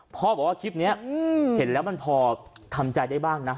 พ่อบอกว่าคลิปนี้เห็นแล้วมันพอทำใจได้บ้างนะ